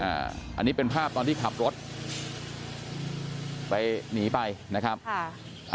อันนี้เป็นภาพตอนที่ขับรถไปหนีไปนะครับค่ะ